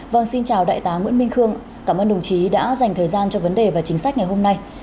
vâng xin chào đại tá nguyễn minh khương cảm ơn đồng chí đã dành thời gian cho vấn đề và chính sách ngày hôm nay